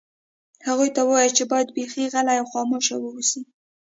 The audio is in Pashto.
هغوی ته ووایه چې باید بیخي غلي او خاموشه واوسي